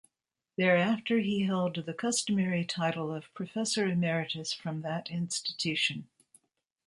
Thereafter he held the customary title of Professor Emeritus from that institution.